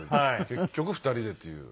結局２人でっていう。